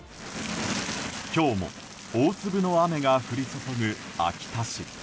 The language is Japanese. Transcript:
今日も大粒の雨が降り続く秋田市。